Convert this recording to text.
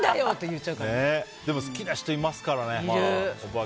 でも好きな人いますからね。